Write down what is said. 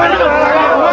lari ke mana